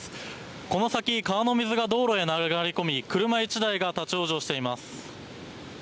この先、川の水が道路へ流れ込み車１台が立往生しています。